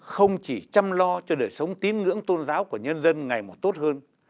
không chỉ chăm lo cho đời sống tín ngưỡng tôn giáo của nhân dân ngày một tốt hơn